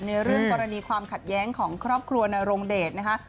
เรื่องกรณีความขัดแย้งของครอบครัวนรงเดชนะคะ